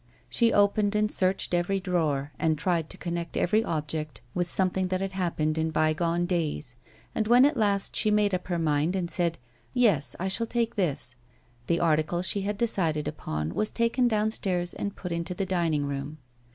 She opened and searched every drawer, and tried to connect every object with some thing that had happened in bygone days, and when at last she made up her mind and said ;" Yes, I shall take this," the article she had decided upon was taken downstairs and put into the dining i'oom.